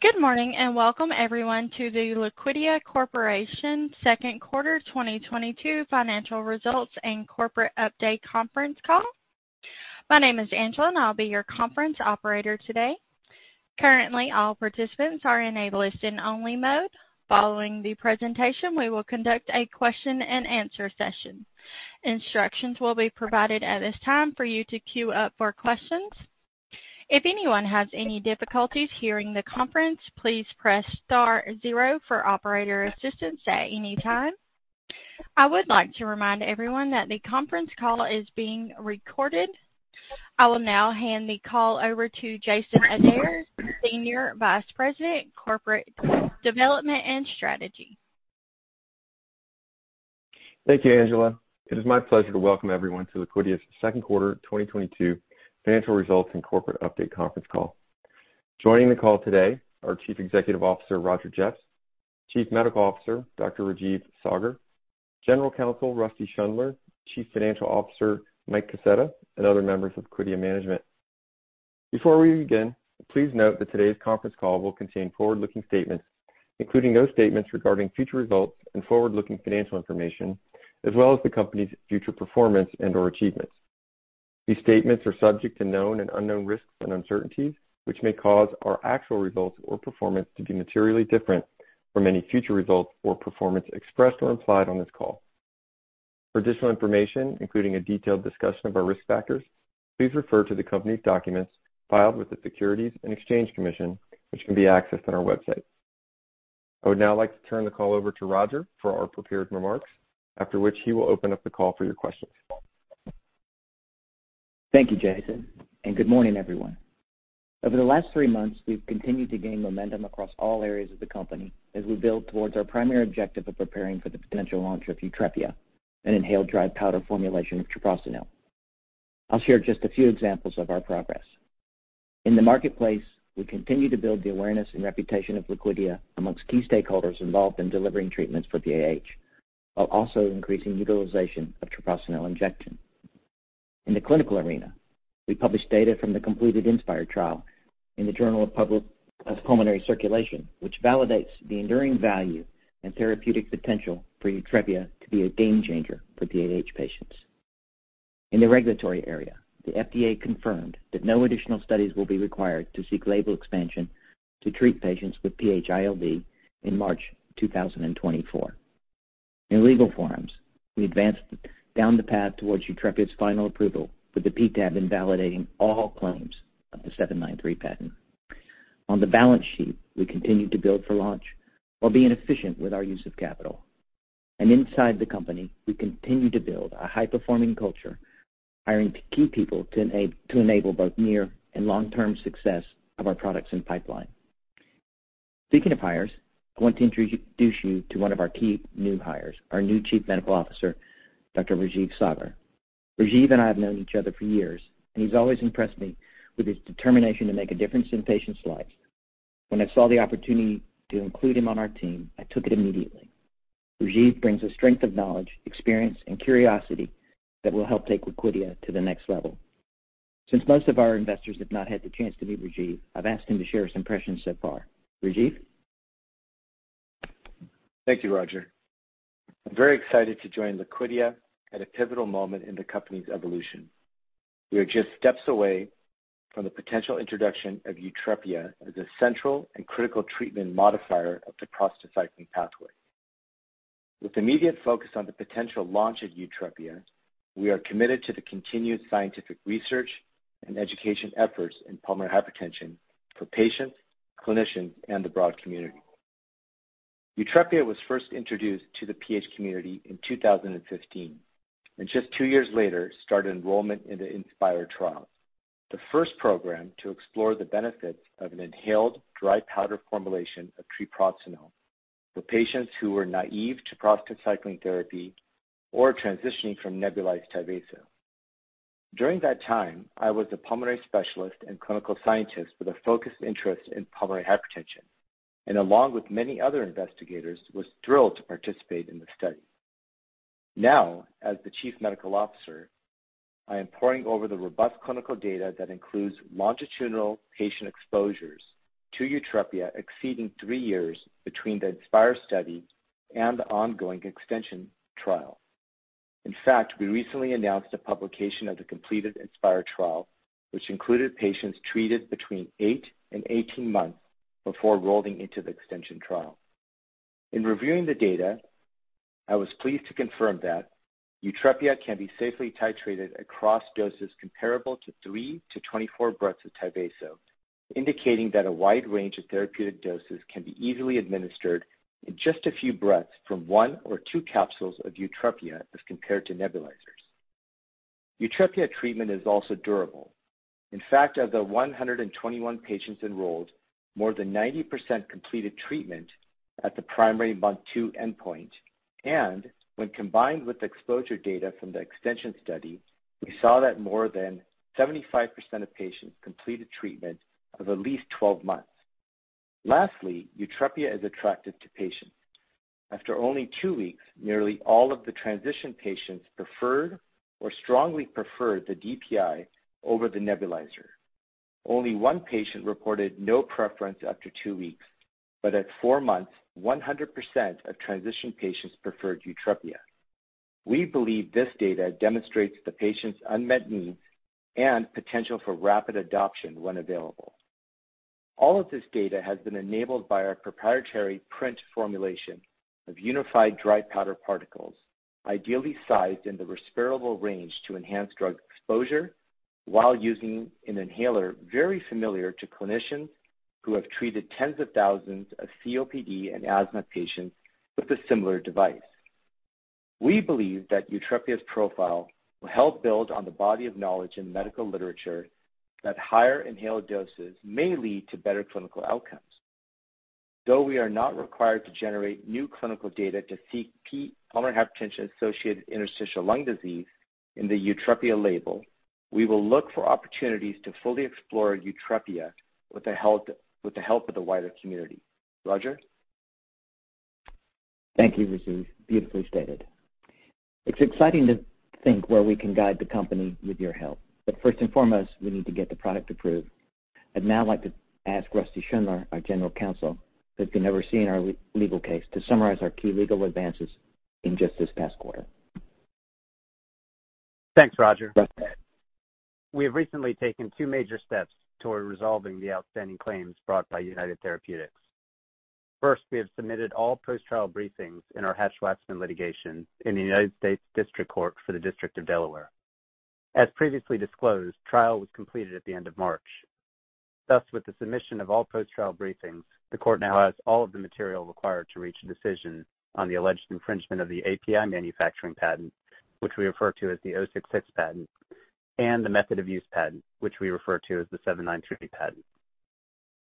Good morning, and welcome everyone to the Liquidia Corporation Q2 2022 financial results and corporate update conference call. My name is Angela, and I'll be your conference operator today. Currently, all participants are in a listen-only mode. Following the presentation, we will conduct a question-and-answer session. Instructions will be provided at this time for you to queue up for questions. If anyone has any difficulties hearing the conference, please press star zero for operator assistance at any time. I would like to remind everyone that the conference call is being recorded. I will now hand the call over to Jason Adair, Senior Vice President, Corporate Development and Strategy. Thank you, Angela. It is my pleasure to welcome everyone to Liquidia's Q2 2022 financial results and corporate update conference call. Joining the call today are Chief Executive Officer Roger Jeffs, Chief Medical Officer Dr. Rajeev Saggar, General Counsel Rusty Schundler, Chief Financial Officer Mike Kaseta, and other members of Liquidia management. Before we begin, please note that today's conference call will contain forward-looking statements, including those statements regarding future results and forward-looking financial information as well as the company's future performance and/or achievements. These statements are subject to known and unknown risks and uncertainties, which may cause our actual results or performance to be materially different from any future results or performance expressed or implied on this call. For additional information, including a detailed discussion of our risk factors, please refer to the company's documents filed with the Securities and Exchange Commission, which can be accessed on our website. I would now like to turn the call over to Roger for our prepared remarks. After which he will open up the call for your questions. Thank you, Jason, and good morning, everyone. Over the last three months, we've continued to gain momentum across all areas of the company as we build towards our primary objective of preparing for the potential launch of YUTREPIA, an inhaled dry powder formulation of treprostinil. I'll share just a few examples of our progress. In the marketplace, we continue to build the awareness and reputation of Liquidia among key stakeholders involved in delivering treatments for PAH while also increasing utilization of treprostinil injection. In the clinical arena, we published data from the completed INSPIRE trial in the Journal of Pulmonary Circulation, which validates the enduring value and therapeutic potential for YUTREPIA to be a game changer for PAH patients. In the regulatory area, the FDA confirmed that no additional studies will be required to seek label expansion to treat patients with PH-ILD in March 2024. In legal forums, we advanced down the path towards YUTREPIA's final approval with the PTAB invalidating all claims of the '793 patent. On the balance sheet, we continue to build for launch while being efficient with our use of capital. Inside the company, we continue to build a high-performing culture, hiring key people to enable both near and long-term success of our products and pipeline. Speaking of hires, I want to introduce you to one of our key new hires, our new Chief Medical Officer, Dr. Rajeev Saggar. Rajiv and I have known each other for years, and he's always impressed me with his determination to make a difference in patients' lives. When I saw the opportunity to include him on our team, I took it immediately. Rajiv brings a strength of knowledge, experience, and curiosity that will help take Liquidia to the next level. Since most of our investors have not had the chance to meet Rajeev, I've asked him to share his impressions so far. Rajeev? Thank you, Roger. I'm very excited to join Liquidia at a pivotal moment in the company's evolution. We are just steps away from the potential introduction of YUTREPIA as a central and critical treatment modifier of the prostacyclin pathway. With immediate focus on the potential launch of YUTREPIA, we are committed to the continued scientific research and education efforts in pulmonary hypertension for patients, clinicians, and the broad community. YUTREPIA was first introduced to the PH community in 2015, and just two years later, started enrollment in the INSPIRE trial, the first program to explore the benefits of an inhaled dry powder formulation of treprostinil for patients who were naive to prostacyclin therapy or transitioning from nebulized Tyvaso. During that time, I was a pulmonary specialist and clinical scientist with a focused interest in pulmonary hypertension, and along with many other investigators, was thrilled to participate in the study. Now, as the Chief Medical Officer, I am poring over the robust clinical data that includes longitudinal patient exposures to YUTREPIA exceeding three years between the INSPIRE study and the ongoing extension trial. In fact, we recently announced the publication of the completed INSPIRE trial, which included patients treated between eight and 18 months before rolling into the extension trial. In reviewing the data, I was pleased to confirm that YUTREPIA can be safely titrated across doses comparable to three-24 breaths of Tyvaso, indicating that a wide range of therapeutic doses can be easily administered in just a few breaths from 1 or 2 capsules of YUTREPIA as compared to nebulizers. YUTREPIA treatment is also durable. In fact, of the 121 patients enrolled, more than 90% completed treatment at the primary month two endpoint. When combined with exposure data from the extension study, we saw that more than 75% of patients completed treatment of at least 12 months. Lastly, YUTREPIA is attractive to patients. After only two weeks, nearly all of the transition patients preferred or strongly preferred the DPI over the nebulizer. Only 1 patient reported no preference after two weeks, but at four months, 100% of transition patients preferred YUTREPIA. We believe this data demonstrates the patient's unmet need and potential for rapid adoption when available. All of this data has been enabled by our proprietary PRINT technology of unified dry powder particles, ideally sized in the respirable range to enhance drug exposure while using an inhaler very familiar to clinicians who have treated tens of thousands of COPD and asthma patients with a similar device. We believe that YUTREPIA's profile will help build on the body of knowledge in medical literature that higher inhaled doses may lead to better clinical outcomes. Though we are not required to generate new clinical data to seek pulmonary hypertension-associated interstitial lung disease in the YUTREPIA label, we will look for opportunities to fully explore YUTREPIA with the help of the wider community. Roger? Thank you, Rajeev. Beautifully stated. It's exciting to think where we can guide the company with your help, but first and foremost, we need to get the product approved. I'd now like to ask Rusty Schundler, our General Counsel, who's been overseeing our legal case, to summarize our key legal advances in just this past quarter. Thanks, Roger. Go ahead. We have recently taken two major steps toward resolving the outstanding claims brought by United Therapeutics. First, we have submitted all post-trial briefings in our Hatch-Waxman litigation in the United States District Court for the District of Delaware. As previously disclosed, trial was completed at the end of March. Thus, with the submission of all post-trial briefings, the court now has all of the material required to reach a decision on the alleged infringement of the API manufacturing patent, which we refer to as the '066 patent, and the method of use patent, which we refer to as the '793 patent.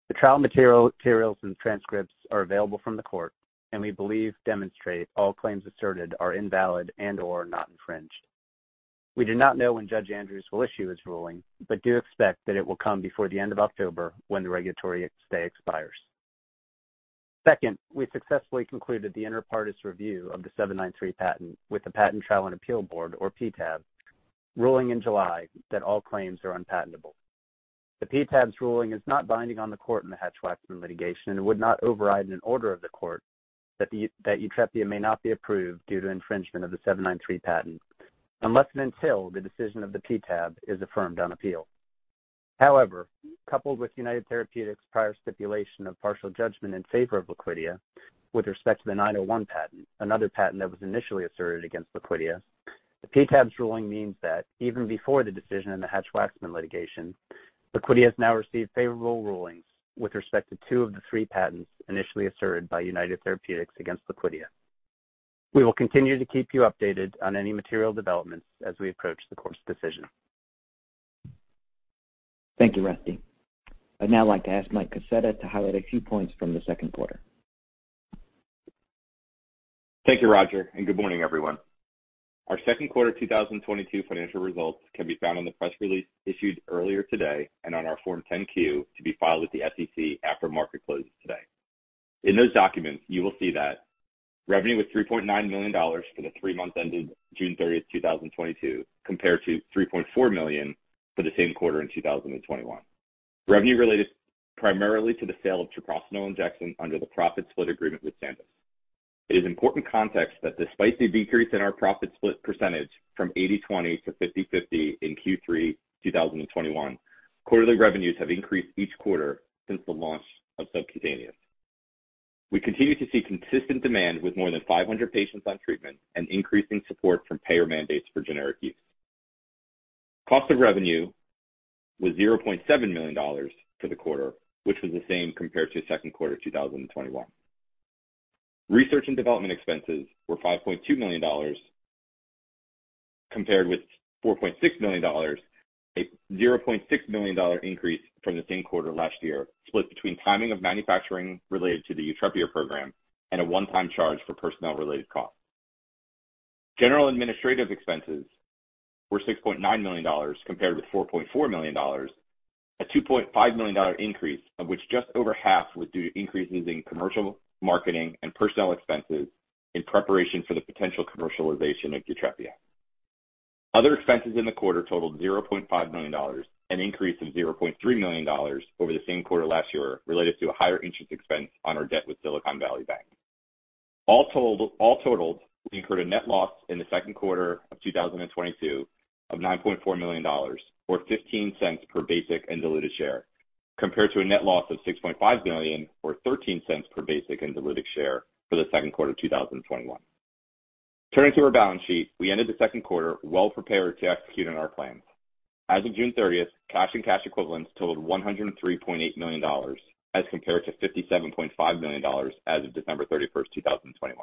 The trial materials and transcripts are available from the court, and we believe demonstrate all claims asserted are invalid and/or not infringed. We do not know when Judge Andrews will issue his ruling, but do expect that it will come before the end of October when the regulatory stay expires. Second, we successfully concluded the inter partes review of the '793 patent with the Patent Trial and Appeal Board, or PTAB, ruling in July that all claims are unpatentable. The PTAB's ruling is not binding on the court in the Hatch-Waxman litigation and would not override an order of the court that YUTREPIA may not be approved due to infringement of the '793 patent unless and until the decision of the PTAB is affirmed on appeal. However, coupled with United Therapeutics' prior stipulation of partial judgment in favor of Liquidia with respect to the '901 patent, another patent that was initially asserted against Liquidia, the PTAB's ruling means that even before the decision in the Hatch-Waxman litigation, Liquidia has now received favorable rulings with respect to two of the three patents initially asserted by United Therapeutics against Liquidia. We will continue to keep you updated on any material developments as we approach the court's decision. Thank you, Rusty. I'd now like to ask Mike Kaseta to highlight a few points from the Q2. Thank you, Roger, and good morning, everyone. Our Q2 2022 financial results can be found on the press release issued earlier today and on our Form 10-Q to be filed with the SEC after market closes today. In those documents, you will see that revenue was $3.9 million for the three months ending June 30th, 2022, compared to $3.4 million for the same quarter in 2021. Revenue related primarily to the sale of Treprostinil Injection under the profit split agreement with Sandoz. It is important context that despite the decrease in our profit split percentage from 80-20 to 50-50 in Q3 2021, quarterly revenues have increased each quarter since the launch of subcutaneous. We continue to see consistent demand with more than 500 patients on treatment and increasing support from payer mandates for generic use. Cost of revenue was $0.7 million for the quarter, which was the same compared to Q2 2021. Research and development expenses were $5.2 million compared with $4.6 million, a $0.6 million increase from the same quarter last year, split between timing of manufacturing related to the YUTREPIA program and a one-time charge for personnel-related costs. General administrative expenses were $6.9 million compared with $4.4 million, a $2.5 million increase, of which just over half was due to increases in commercial, marketing, and personnel expenses in preparation for the potential commercialization of YUTREPIA. Other expenses in the quarter totaled $0.5 million, an increase from $0.3 million over the same quarter last year, related to a higher interest expense on our debt with Silicon Valley Bank. All totaled, we incurred a net loss in the Q2 of 2022 of $9.4 million or $0.15 per basic and diluted share, compared to a net loss of $6.5 million or $0.13 per basic and diluted share for the Q2 of 2021. Turning to our balance sheet, we ended the Q2 well-prepared to execute on our plans. As of June 30th, cash and cash equivalents totaled $103.8 million, as compared to $57.5 million as of December 31st, 2021.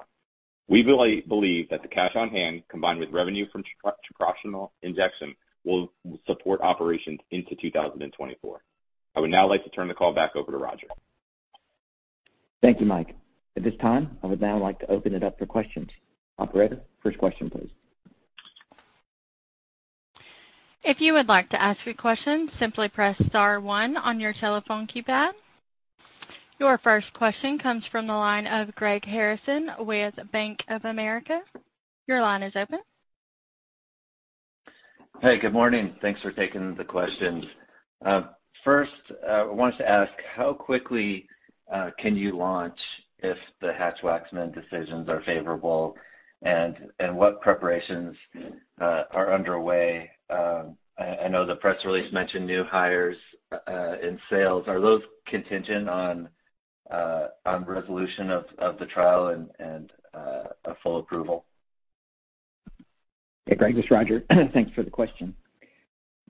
We believe that the cash on hand, combined with revenue from Treprostinil Injection, will support operations into 2024. I would now like to turn the call back over to Roger. Thank you, Mike. At this time, I would now like to open it up for questions. Operator, first question, please. If you would like to ask a question, simply press star one on your telephone keypad. Your first question comes from the line of Greg Harrison with Bank of America. Your line is open. Hey, good morning. Thanks for taking the questions. First, I wanted to ask how quickly can you launch if the Hatch-Waxman decisions are favorable, and what preparations are underway? I know the press release mentioned new hires in sales. Are those contingent on resolution of the trial and a full approval? Hey, Greg, this is Roger. Thanks for the question.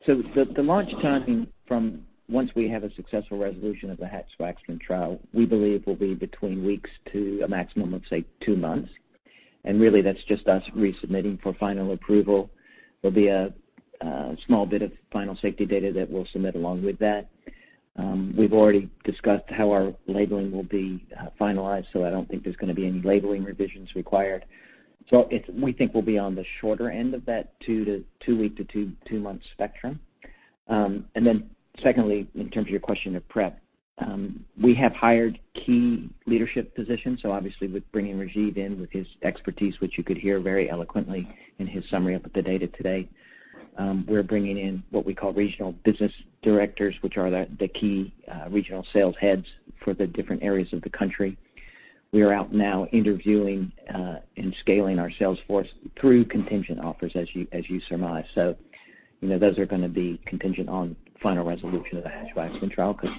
The launch timing from once we have a successful resolution of the Hatch-Waxman trial, we believe will be between weeks to a maximum of, say, two months. Really, that's just us resubmitting for final approval. There'll be a small bit of final safety data that we'll submit along with that. We've already discussed how our labeling will be finalized, so I don't think there's gonna be any labeling revisions required. It's we think we'll be on the shorter end of that two-week to two-month spectrum. Secondly, in terms of your question of prep, we have hired key leadership positions, so obviously with bringing Rajeev in with his expertise, which you could hear very eloquently in his summary of the data today, we're bringing in what we call regional business directors, which are the key regional sales heads for the different areas of the country. We are now interviewing and scaling our sales force through contingent offers as you surmise. You know, those are gonna be contingent on final resolution of the Hatch-Waxman trial because,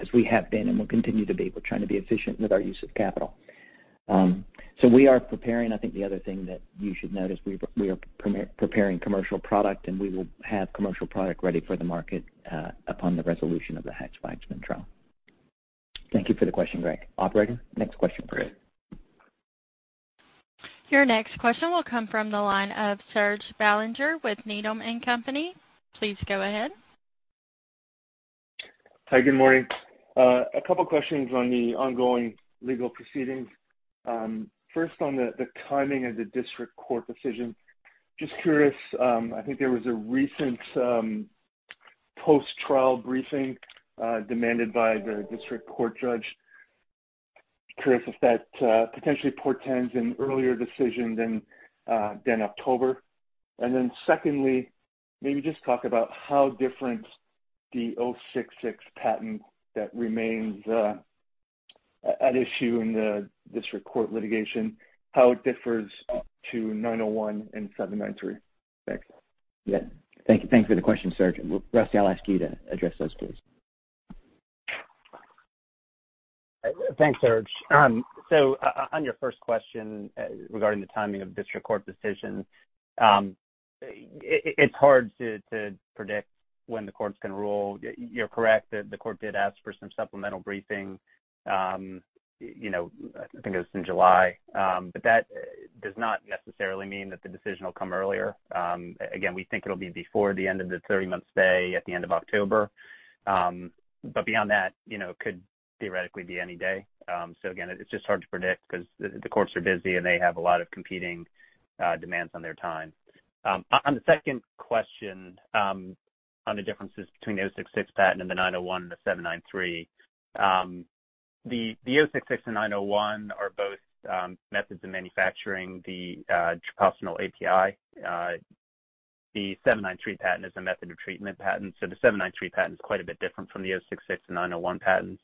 as we have been and will continue to be, we're trying to be efficient with our use of capital. We are preparing. I think the other thing that you should note is we are preparing commercial product, and we will have commercial product ready for the market upon the resolution of the Hatch-Waxman trial. Thank you for the question, Greg. Operator, next question, please. Your next question will come from the line of Serge Belanger with Needham & Company. Please go ahead. Hi, good morning. A couple questions on the ongoing legal proceedings. First on the timing of the district court decision, just curious, I think there was a recent post-trial briefing demanded by the district court judge. Curious if that potentially portends an earlier decision than October. Then secondly, maybe just talk about how different the '066 patent that remains at issue in the district court litigation, how it differs to '901 and '793. Thanks. Yeah. Thank you. Thank you for the question, Serge. Rusty, I'll ask you to address those, please. Thanks, Serge. So on your first question, regarding the timing of District Court decision, it's hard to predict when the courts can rule. You're correct that the court did ask for some supplemental briefing, you know, I think it was in July, but that does not necessarily mean that the decision will come earlier. Again, we think it'll be before the end of the 30-month stay at the end of October, but beyond that, you know, could theoretically be any day. So again, it's just hard to predict because the courts are busy, and they have a lot of competing demands on their time. On the second question, on the differences between the '066 patent and the '901 and the '793, the '066 and '901 are both methods of manufacturing the treprostinil API. The '793 patent is a method of treatment patent, so the '793 patent is quite a bit different from the '066 and '901 patents.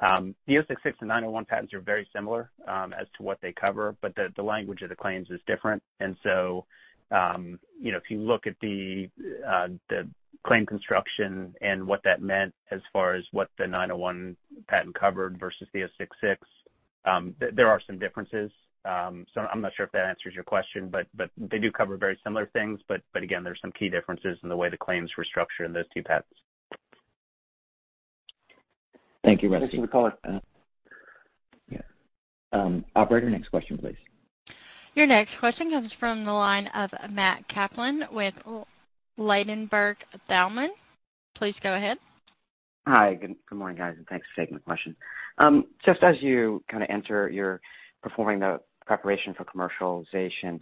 The '066 and '901 patents are very similar as to what they cover, but the language of the claims is different. You know, if you look at the claim construction and what that meant as far as what the '901 patent covered versus the '066, there are some differences. I'm not sure if that answers your question, but again, there's some key differences in the way the claims were structured in those two patents. Thank you, Rusty. Thank you for the color. Yeah. Operator, next question, please. Your next question comes from the line of Matthew Kaplan with Ladenburg Thalmann. Please go ahead. Hi. Good morning, guys, and thanks for taking the question. Just as you kind of enter your performing the preparation for commercialization,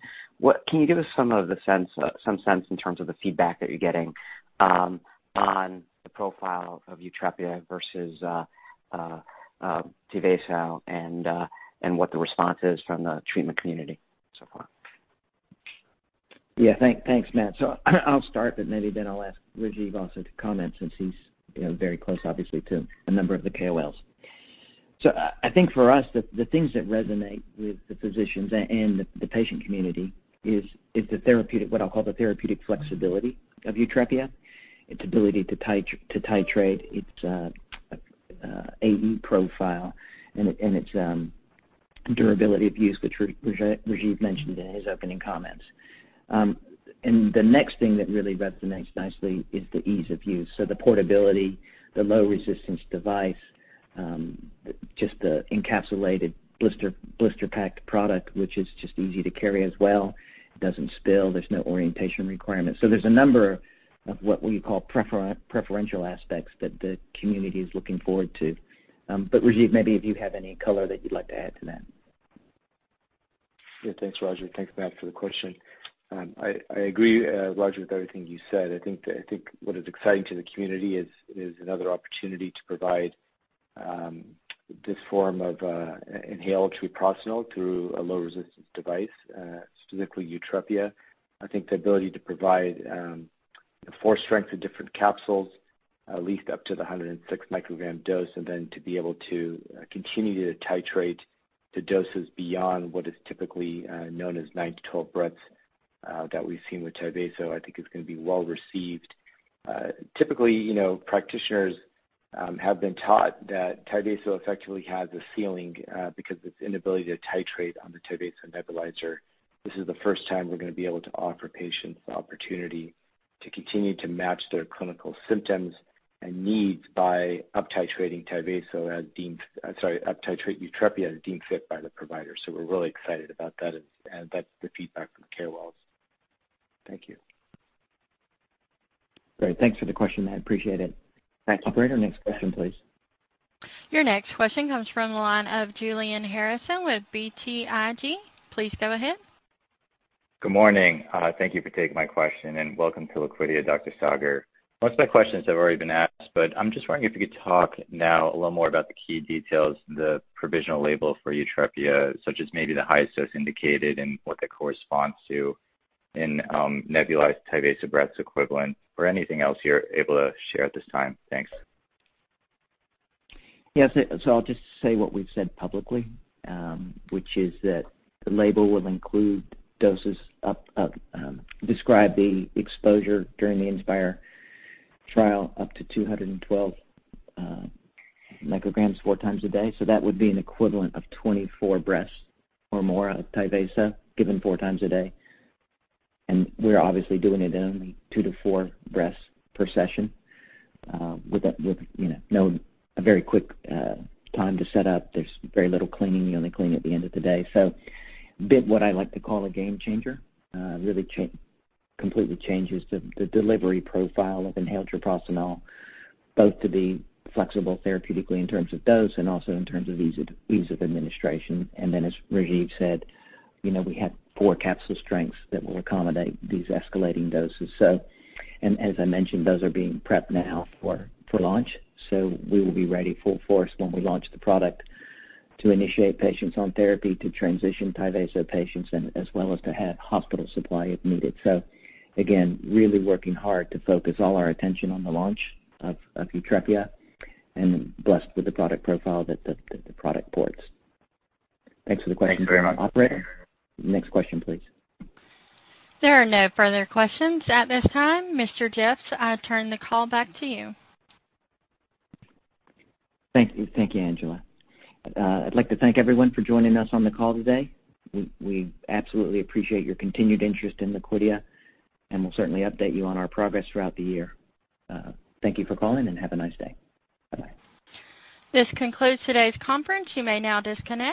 can you give us some sense in terms of the feedback that you're getting on the profile of YUTREPIA versus Tyvaso and what the response is from the treatment community so far? Yeah. Thanks, Matt. I'll start, but maybe then I'll ask Rajeev also to comment since he's, you know, very close obviously to a number of the KOLs. I think for us, the things that resonate with the physicians and the patient community is the therapeutic, what I'll call the therapeutic flexibility of YUTREPIA, its ability to titrate, its AE profile and its durability of use, which Rajeev mentioned in his opening comments. The next thing that really resonates nicely is the ease of use. The portability, the low resistance device, just the encapsulated blister packed product, which is just easy to carry as well. It doesn't spill. There's no orientation requirement. There's a number of what we call preferential aspects that the community is looking forward to. Rajeev, maybe if you have any color that you'd like to add to that. Yeah. Thanks, Roger. Thanks, Matt, for the question. I agree, Roger, with everything you said. I think what is exciting to the community is another opportunity to provide this form of inhaled treprostinil through a low resistance device, specifically YUTREPIA. I think the ability to provide four strengths of different capsules, at least up to the 106 microgram dose, and then to be able to continue to titrate the doses beyond what is typically known as nine-12 breaths that we've seen with Tyvaso, I think is gonna be well received. Typically, you know, practitioners have been taught that Tyvaso effectively has a ceiling because of its inability to titrate on the Tyvaso nebulizer. This is the first time we're gonna be able to offer patients the opportunity to continue to match their clinical symptoms and needs by uptitrate YUTREPIA as deemed fit by the provider. We're really excited about that as that's the feedback from the caregivers. Thank you. Great. Thanks for the question, Matt. Appreciate it. Thank you. Operator, next question, please. Your next question comes from the line of Julian Harrison with BTIG. Please go ahead. Good morning. Thank you for taking my question and welcome to Liquidia, Dr. Saggar. Most of my questions have already been asked, but I'm just wondering if you could talk now a little more about the key details in the provisional label for YUTREPIA, such as maybe the highest dose indicated and what that corresponds to in nebulized Tyvaso breaths equivalent or anything else you're able to share at this time. Thanks. Yes. I'll just say what we've said publicly, which is that the label will include doses up describe the exposure during the INSPIRE trial up to 212 micrograms 4x a day. That would be an equivalent of 24 breaths or more of Tyvaso given 4x a day. We're obviously doing it in only two-four breaths per session, with you know a very quick time to set up. There's very little cleaning. You only clean at the end of the day. A bit what I like to call a game changer really completely changes the delivery profile of inhaled treprostinil, both to be flexible therapeutically in terms of dose and also in terms of ease of administration. As Rajeev said, you know, we have four capsule strengths that will accommodate these escalating doses. As I mentioned, those are being prepped now for launch. We will be ready full force when we launch the product to initiate patients on therapy, to transition Tyvaso patients and as well as to have hospital supply if needed. Again, really working hard to focus all our attention on the launch of YUTREPIA and blessed with the product profile that the product supports. Thanks for the question. Thank you very much. Operator, next question, please. There are no further questions at this time. Mr. Jeffs, I turn the call back to you. Thank you. Thank you, Angela. I'd like to thank everyone for joining us on the call today. We absolutely appreciate your continued interest in Liquidia, and we'll certainly update you on our progress throughout the year. Thank you for calling, and have a nice day. Bye-bye. This concludes today's conference. You may now disconnect.